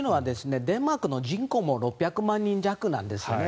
デンマークの人口も６００万人弱なんですよね。